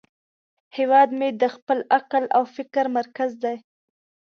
هیواد مې د خپل عقل او فکر مرکز دی